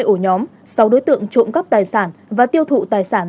bảy ổ nhóm sáu đối tượng trộm cắp tài sản và tiêu thụ tài sản